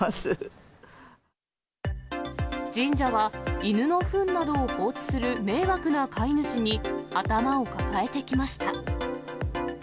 神社は、犬のふんなどを放置する迷惑な飼い主に、頭を抱えてきました。